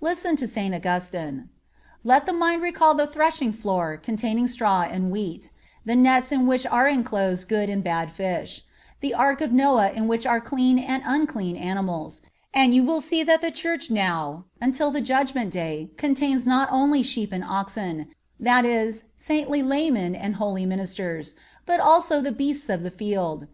(50) Listen to St. Augustine: "Let the mind recall the threshing floor containing straw and wheat; the nets in which are inclosed good and bad fish; the ark of Noah in which were clean and unclean animals, and you will see that the Church from now until the judgment day contains not only sheep and oxen—that is, saintly laymen and holy ministers—but also the beasts of the field....